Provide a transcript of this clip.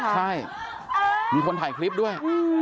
ใช่มีคนถ่ายคลิปด้วย